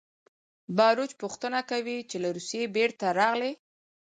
باروچ پوښتنه کوي چې له روسیې بېرته راغلې